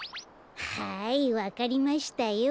はいわかりましたよ。